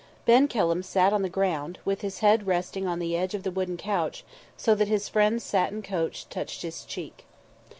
Ben Kelham sat on the ground, with his head resting on the edge of the wooden couch so that his friend's satin coat touched his cheek.